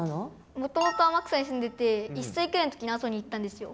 もともと天草に住んでて１歳くらいの時に阿蘇に行ったんですよ。